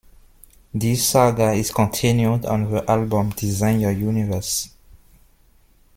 This saga is continued on the album "Design Your Universe".